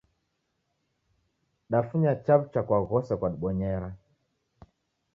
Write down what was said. Dafunya chaw'ucha kwa ghose kwadibonyera.